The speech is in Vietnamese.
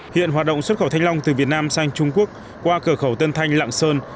hiện hoạt động xuất khẩu thanh long từ việt nam sang trung quốc qua cửa khẩu tân thanh lạng sơn